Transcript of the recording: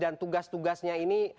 dan tugas tugasnya ini